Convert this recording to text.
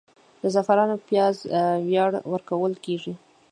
د زعفرانو پیاز وړیا ورکول کیږي؟